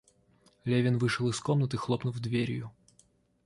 Левин вышел из комнаты, хлопнув дверью.